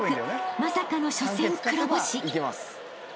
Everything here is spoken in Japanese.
まさかの初戦黒星］